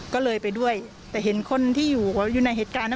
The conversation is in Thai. ก็เลยไปด้วยแต่เห็นคนที่อยู่ในเหตุการณ์